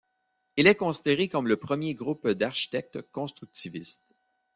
Il est considéré comme le premier groupe d’architectes constructivistes.